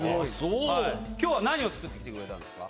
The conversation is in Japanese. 今日は何を作って来てくれたんですか？